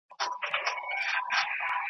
ځیني په ټوپک مري ځیني اوبه وړي